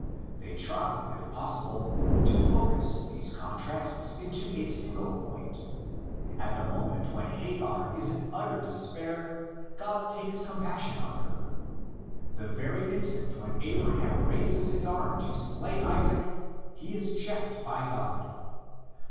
They try if possible to focus these contrasts into a single point: at the moment when Hagar is in utter despair, God takes compassion on her; the very instant when Abraham raises his arm to slay Isaac, 74 THE LEGENDS OF GENESIS. he is checked by God.